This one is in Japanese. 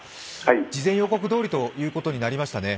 事前予告どおりということになりましたね。